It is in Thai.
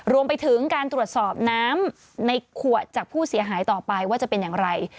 รวมไปถึงการตรวจสอบน้ำในขวดจากผู้เสียหายต่อไปว่าจะเป็นอย่างไร